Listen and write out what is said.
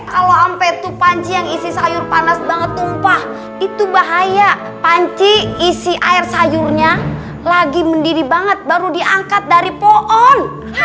kalau ampe itu panci yang isi sayur panas banget tumpah itu bahaya panci isi airnya lagi mendiri banget baru diangkat dari pohon